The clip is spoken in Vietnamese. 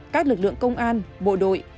các lực lượng công an bộ đội